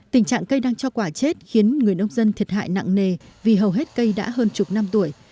tình trạng cây đang cho quả chết khiến người nông dân thiệt hại nặng nề vì hầu hết cây đã hơn chục năm tuổi